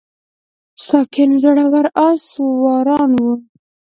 ساکان زړور آس سواران وو